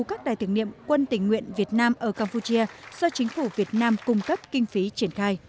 các đài tưởng niệm quân tình nguyện việt nam ở campuchia do chính phủ việt nam cung cấp kinh phí triển khai